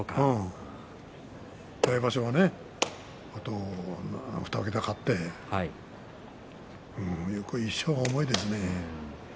来場所ね、２桁勝って１勝が重いですね。